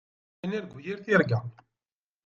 Ad nargu yir tirga.